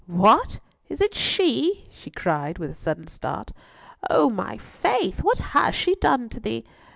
What! Is't she?" she cried, with a sudden start. "On my faith, what has she done to thee?